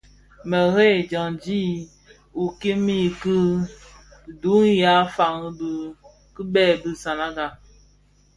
Mëdheb: dyandi i kimii bi duň yi fan dhi bibek bi Sananga.